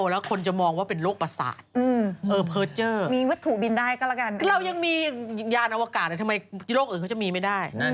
แล้วก็อ้างว่าเขาสามารถจะช่วยคำจัด